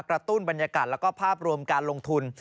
กระตุ้นบรรยากาศและภาพรวมการลงทุน